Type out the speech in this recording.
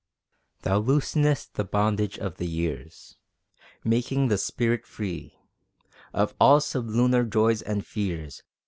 Thou loosenest the bondage of the years, Making the spirit free Of all sublunar joys and fears.